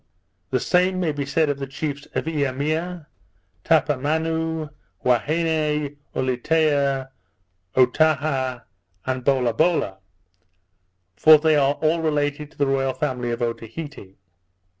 The same may be said of the chiefs of Eimea, Tapamanoo, Huaheine, Ulietea, Otaha, and Bolabola; for they are all related to the royal family of Otaheite.